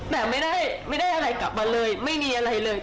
แต่ไม่ได้อะไรกลับมาเลยไม่มีอะไรเลย